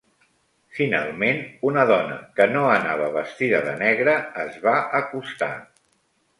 Finalment, una dona que no anava vestida de negre es va acostar.